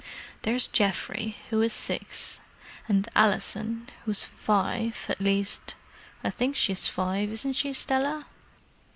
There's Geoffrey, who is six, and Alison, who's five—at least I think she's five, isn't she, Stella?"